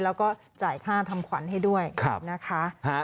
แล้วก็จ่ายค่าทำขวัญให้ด้วยนะคะ